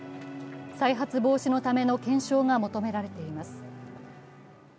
再発防止のための検証が求められています。